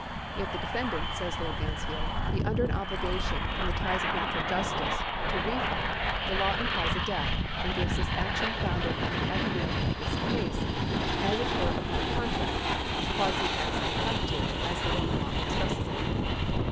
" If the defendant," says Lord Mansfield,^ " be under an obligation, from the ties of natural justice, to refund, the law implies a debt, and gives this action founded on the equity of the plaintiff's case, as it were upon a contract {quasi ex contract^i, as the Roman law expresses it)."